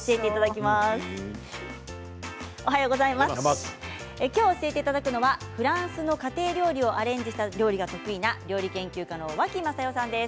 きょう教えていただくのはフランスの家庭料理をアレンジした料理が得意で料理研究家の脇雅世さんです。